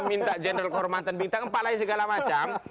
minta jenderal kehormatan bintang empat lain segala macam